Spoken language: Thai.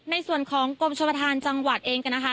ในส่วนของกรมชมประธานจังหวัดเองกันนะคะ